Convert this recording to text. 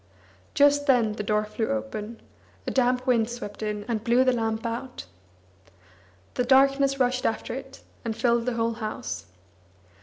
Just then the door flew open; a damp wind swept in and blew the lamp out. The darkness rushed after it, and filled the whole house.